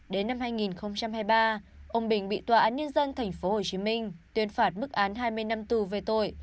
đến năm hai nghìn hai mươi ba ông bình bị tòa án nhân dân tp hcm tuyên phạt bức án hai mươi năm tù về tội